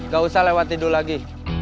gak usah lewat tidur lagi